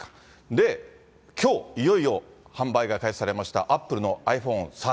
で、きょう、いよいよ販売が開始されました、アップルのｉＰｈｏｎｅ１３。